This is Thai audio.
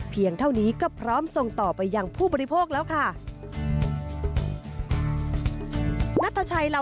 เท่านี้ก็พร้อมส่งต่อไปยังผู้บริโภคแล้วค่ะ